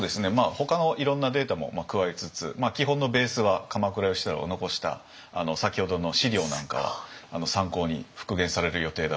ほかのいろんなデータも加えつつ基本のベースは鎌倉芳太郎が残した先ほどの資料なんかは参考に復元される予定だと思います。